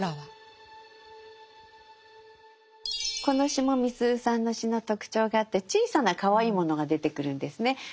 この詩もみすゞさんの詩の特徴があって小さなかわいいものが出てくるんですね。